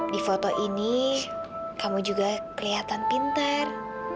di foto ini kamu juga kelihatan pintar